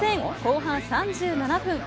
後半３７分。